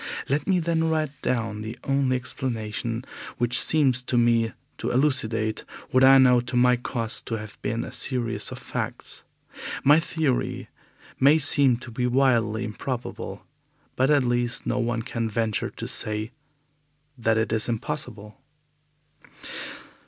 Let me then write down the only explanation which seems to me to elucidate what I know to my cost to have been a series of facts. My theory may seem to be wildly improbable, but at least no one can venture to say that it is impossible.